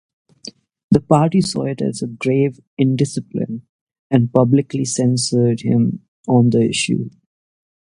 The party saw it as "grave indiscipline" and "publicly censured" him on the issue.